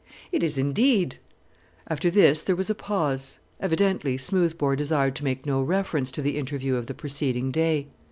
"It is, indeed." After this there was a pause. Evidently Smoothbore desired to make no reference to the interview of the preceding day.